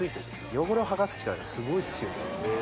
汚れをはがす力がすごい強いんです